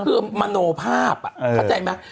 ก็คือมโนภาพอ่ะเข้าใจมั้ย